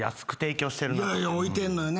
置いてんのよね